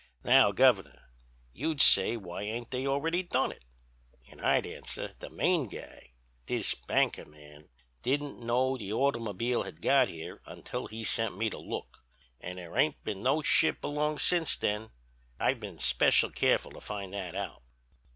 "'Now, Governor, you'd say why ain't they already done it? An' I'd answer, the main guy—this banker man—didn't know the automobile had got here until he sent me to look, and there ain't been no ship along since then.... I've been special careful to find that out.'